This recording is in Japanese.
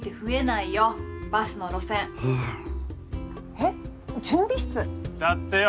えっ準備室？だってよ